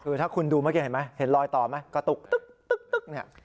คือถ้าคุณดูเมื่อกี้เห็นรอยต่อไหมก็ตุ๊กตุ๊กตุ๊ก